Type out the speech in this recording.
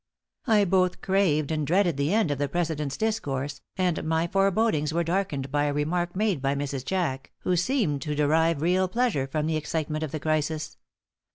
I both craved and dreaded the end of the president's discourse, and my forebodings were darkened by a remark made by Mrs. Jack, who seemed to derive real pleasure from the excitement of the crisis.